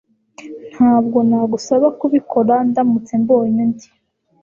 Ntabwo nagusaba kubikora ndamutse mbonye undi